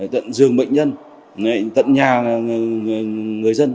tận giường bệnh nhân tận nhà người dân